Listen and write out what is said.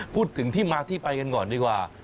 พูดถึงที่มาที่ไปกันก่อนดีกว่า